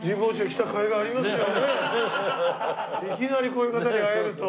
いきなりこういう方に会えると。